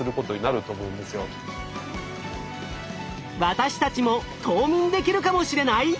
私たちも冬眠できるかもしれない！？